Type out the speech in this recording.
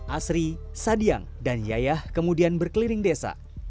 asri sadian dan yayah kemudian berkeliling desa